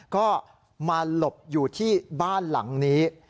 ก็มาหลบอยู่ที่บ้านหลังนี้